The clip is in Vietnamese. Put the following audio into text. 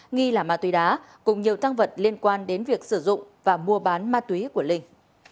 nghi là ma túy đá cùng nhiều tăng vật liên quan đến việc sử dụng và mua bán ma túy của linh